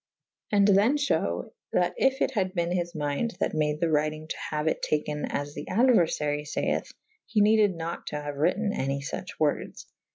And then fhew that yf it had ben his minde that made the writyng to haue it taken as the aduerfarye fay eth : he neded nat to haue wryte« any fuch wordes.